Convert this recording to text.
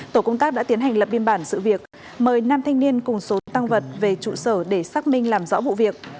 tổ công tác đã tiến hành lập biên bản sự việc mời nam thanh niên cùng số tăng vật về trụ sở để xác minh làm rõ vụ việc